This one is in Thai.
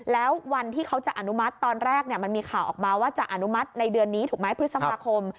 แล้ววันที่เขาจะอนุมัติตอนแรกมันมีข่าวออกมาว่าจะอนุมัติในเดือนนี้ถูกไหมพฤษภาคม